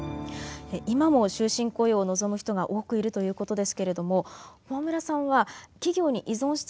今も終身雇用を望む人が多くいるということですけれども駒村さんは企業に依存してきた社会の仕組み